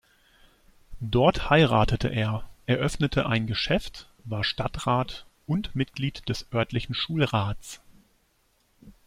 Dort heiratete er, eröffnete ein Geschäft, war Stadtrat und Mitglied des örtlichen Schulrats.